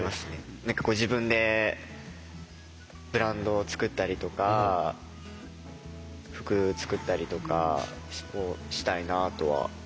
自分でブランドを作ったりとか服作ったりとかをしたいなとは思っているので。